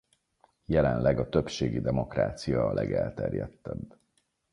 Jelenleg a többségi demokrácia a legelterjedtebb.